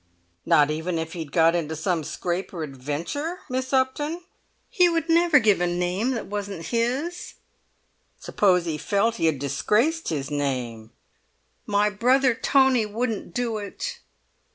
"Not even if he'd got into some scrape or adventure, Miss Upton?" "He would never give a name that wasn't his." "Suppose he felt he had disgraced his name?" "My brother Tony wouldn't do it!"